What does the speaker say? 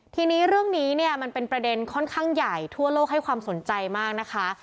ทีนี้เรื่องนี้เนี่ยมันเป็นประเด็นค่อนข้างใหญ่ทั่วโลกให้ความสนใจมากนะคะ